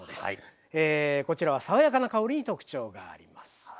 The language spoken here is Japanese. こちらは爽やかな香りに特徴があります。